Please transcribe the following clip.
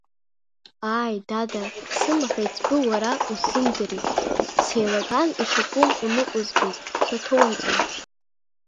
Ааи, дада, сымаҳә еиҵбы, уара усзымдырит, сеилаган ишакәым уныҟәызгеит, саҭоумҵан.